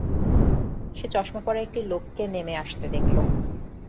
সে চশমা-পরা একটি লোককে নেমে আসতে দেখল।